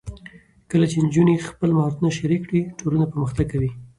کله چې نجونې خپل مهارتونه شریک کړي، ټولنه پرمختګ کوي.